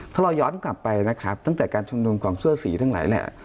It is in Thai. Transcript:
ถ้าเราย้อนกลับไปนะครับตั้งแต่การชุมนุมของเสื้อสีทั้งหลายแหละ